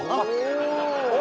お！